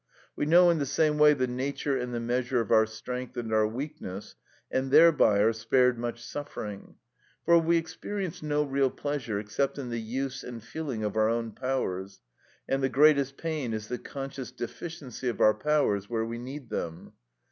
We know in the same way the nature and the measure of our strength and our weakness, and thereby are spared much suffering. For we experience no real pleasure except in the use and feeling of our own powers, and the greatest pain is the conscious deficiency of our powers where we need them.